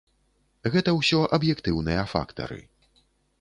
Гэта ўсё аб'ектыўныя фактары.